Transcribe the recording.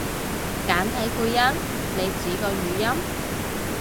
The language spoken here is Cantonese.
簡體配音？你指個語音？